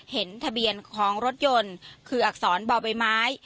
เห็นทะเบียนของรถยนต์คืออักษรบ่อใบไม้